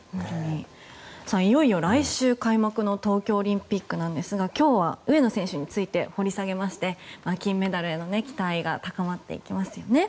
いよいよ来週開幕の東京オリンピックですが今日は上野選手について掘り下げまして金メダルへの期待が高まっていきますよね。